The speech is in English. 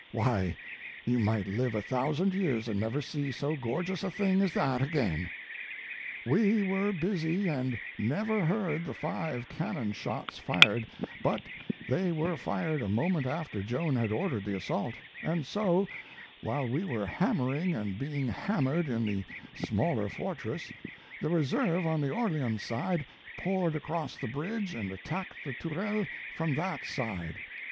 Why, one might live a thousand years and never see so gorgeous a thing as that again.... We were busy and never heard the five cannon shots fired, but they were fired a moment after Joan had ordered the assault; and so, while we were hammering and being hammered in the smaller fortress, the reserve on the Orleans side poured across the bridge and attacked the Tourelles from that side.